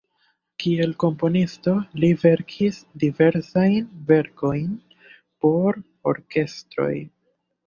Kiel komponisto li verkis diversajn verkojn por orkestroj.